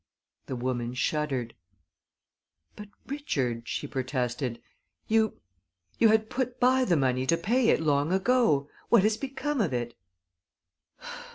The woman shuddered. "But, Richard," she protested, "you you had put by the money to pay it long ago. What has become of it?"